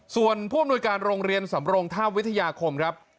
ส่วนผู้อำนวยการโรงเรียนสำรงท่าวิทยาคมครับ